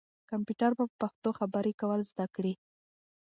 کمپیوټر به په پښتو خبرې کول زده کړي.